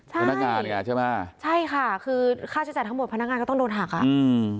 พนักงานไงใช่ไหมใช่ค่ะคือค่าใช้จ่ายทั้งหมดพนักงานก็ต้องโดนหักอ่ะอืม